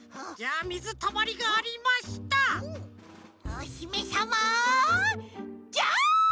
おひめさまジャンプ！